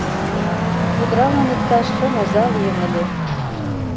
Чодыралан иктаж шым оза лийын ыле.